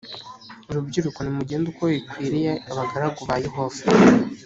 rubyiruko nimugende uko bikwiriye abagaragu ba yehova